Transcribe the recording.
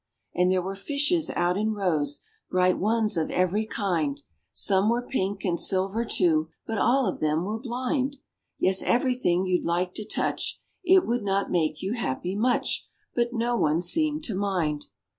And there were Fishes out in rows, Bright ones of every kind; Some were pink, and silver too; But all of them were blind. Yes, everything you'd like to touch. It would not make you happy much, But no one seemed to mind.